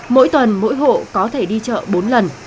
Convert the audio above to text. mỗi tuần mỗi hộ có thể đi chợ bốn lần